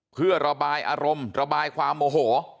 เพื่อระบายอารมณ์ระบายความโมโห